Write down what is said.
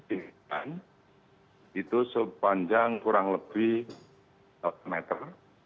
ini kan itu sepanjang kurang lebih enam meter